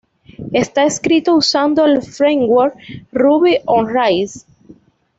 Está escrito usando el framework Ruby on Rails.